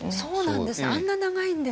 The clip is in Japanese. あんなに長いんですね。